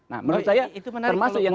nah menurut saya itu termasuk yang